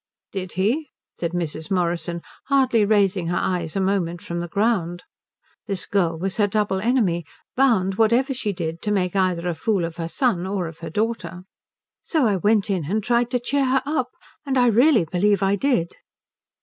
"Did he?" said Mrs. Morrison, hardly raising her eyes a moment from the ground. This girl was her double enemy: bound, whatever she did, to make either a fool of her son or of her daughter. "So I went in and tried to cheer her up. And I really believe I did."